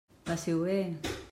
Passi-ho bé.